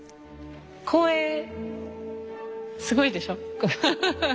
声すごいでしょ。